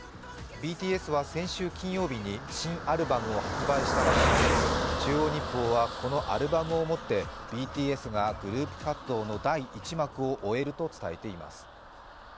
ＢＴＳは先週の金曜日に新アルバムを発表したばかりで「中央日報」はこのアルバムをもってＢＴＳがグループ活動の第１幕を終えると伝えています。